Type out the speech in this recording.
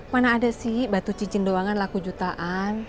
mana ada sih batu cincin doangan laku jutaan